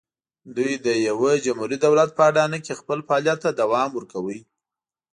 دوی په یوه جمهوري دولت په اډانه کې خپل فعالیت ته دوام ورکاوه.